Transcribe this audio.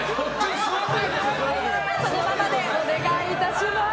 そのままでお願いいたします。